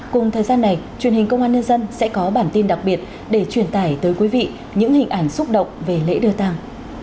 cùng thời gian này truyền hình công an nhân dân sẽ có bản tin đặc biệt để truyền tải tới quý vị những hình ảnh xúc động về lễ đưa tàng